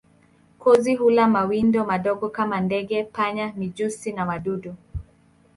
Kozi hula mawindo madogo kama ndege, panya, mijusi na wadudu.